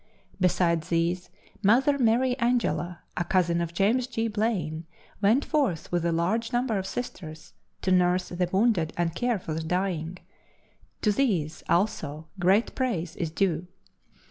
Beside these Mother Mary Angela, a cousin of James G. Blaine, went forth with a large number of Sisters to nurse the wounded and care for the dying. To these also great praise is due.